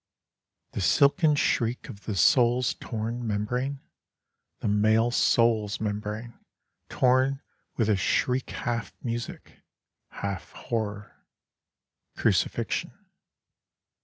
The silken shriek of the soul's torn membrane? The male soul's membrane Torn with a shriek half music, half horror. Crucifixion.